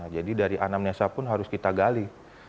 jadi dari anamnesa pun harus kita gali